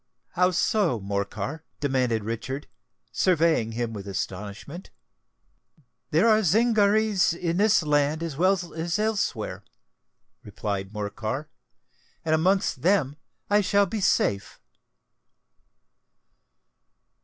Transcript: "How so, Morcar?" demanded Richard, surveying him with astonishment. "There are Zingarees in this land as well as elsewhere," replied Morcar; "and amongst them I shall be safe."